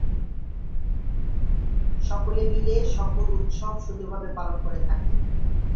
সকলে মিলে সকল উৎসব খুব সুন্দর ভাবে পালন করে থাকে।